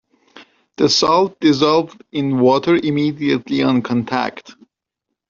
The salt dissolved in water immediately on contact.